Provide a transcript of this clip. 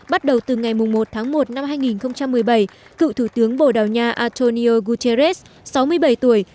bắt đầu từ ngày một tháng một năm hai nghìn một mươi bảy cựu thủ tướng bồ đào nha antonio guterres sáu mươi bảy tuổi